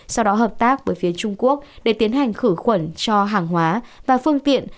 sau đó hợp tác với phía trung quốc để tiến hành khử khuẩn cho hàng hóa và phương tiện